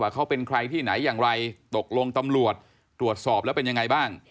เขาเป็นใครที่ไหนอย่างไรตกลงตำรวจตรวจสอบแล้วเป็นยังไงบ้าง